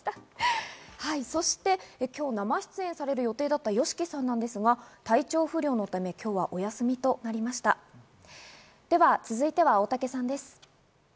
そして今日、生出演される予定だったＹＯＳＨＩＫＩさんですが、体調不良のため、今日はお休続いて大竹さんです。